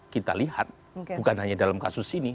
kita lihat bukan hanya dalam kasus ini